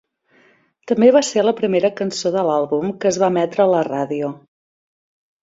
També va ser la primera cançó de l'àlbum que es va emetre a la ràdio.